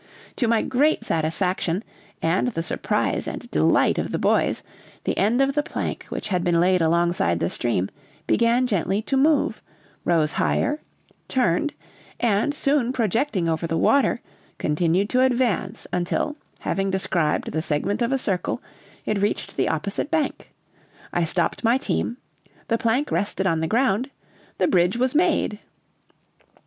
To my great satisfaction, and the surprise and delight of the boys, the end of the plank which had been laid alongside the stream began gently to move, rose higher, turned, and soon projecting over the water, continued to advance, until, having described the segment of a circle, it reached the opposite bank; I stopped my team, the plank rested on the ground, the bridge was made!